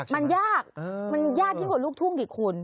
มันยากยิ่งกว่าลูกทุ่งกี่คุณ